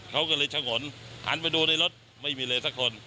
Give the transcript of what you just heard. เขาก็เลยชะงนหันไปดูในรถไม่มีเลยสักคน